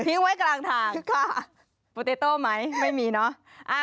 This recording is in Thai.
ไว้กลางทางค่ะโปรเตโต้ไหมไม่มีเนอะ